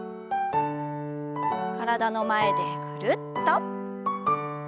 体の前でぐるっと。